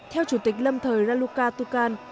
theo chủ tịch lâm thời raluca tucan